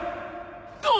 どう？